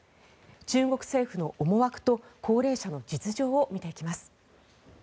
中国政府の思惑と高齢者の実情を見ていきます。